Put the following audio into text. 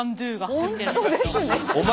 本当ですね。